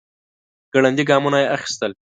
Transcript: ګړندي ګامونه يې اخيستل.